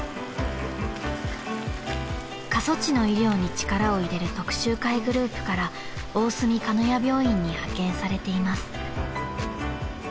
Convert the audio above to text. ［過疎地の医療に力を入れる徳洲会グループから大隅鹿屋病院に派遣されています］